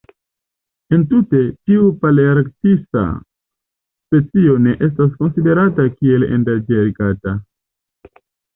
Entute, tiu palearktisa specio ne estas konsiderata kiel endanĝerigata.